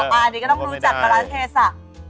อ๋ออันนี้ก็ต้องรู้จักการาเทส